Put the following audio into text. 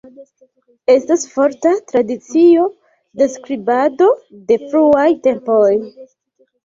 Estas forta tradicio de skribado de fruaj tempoj.